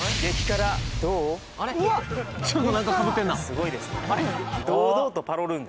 すごいですね